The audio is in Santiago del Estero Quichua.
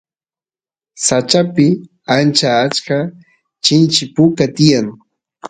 sachapi ancha achka chinchi puka tiyan